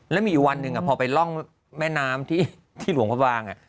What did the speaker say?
แล้วมีอยู่วันหนึ่งพอไปร่องแม่น้ำที่หลวงพระบาง